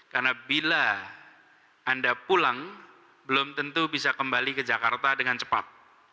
karena bila anda pulang belum tentu bisa kembali ke jakarta dengan cepat